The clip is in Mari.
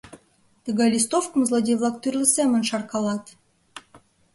Тыгай листовкым злодей-влак тӱрлӧ семын шаркалат.